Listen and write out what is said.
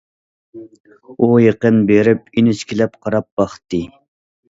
ئۇ يېقىن بېرىپ ئىنچىكىلەپ قاراپ باقتى.